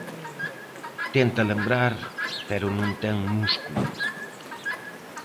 Tenta lembrar, pero non ten músculo.